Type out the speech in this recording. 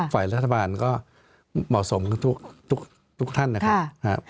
ฝ่ายรัฐบาลก็เหมาะสมกับทุกท่านนะครับ